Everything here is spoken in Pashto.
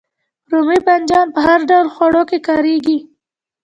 رومی بانجان په هر ډول خوړو کې کاریږي